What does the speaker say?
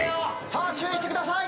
さあ注意してください。